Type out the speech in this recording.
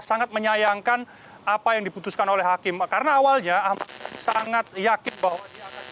sangat menyayangkan apa yang diputuskan oleh hakim karena awalnya ahmad sangat yakin bahwa